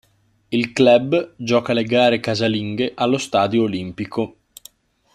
Il club gioca le gare casalinghe allo Stadio Olimpico.